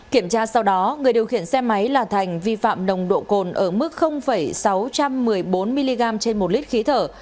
kiểm tra sau đó người điều khiển xe máy là thành vi phạm nồng độ cồn ở mức sáu trăm một mươi bốn mg trên một lít khí thở